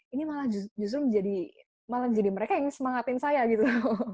ini malah justru malah jadi mereka yang semangatin saya gitu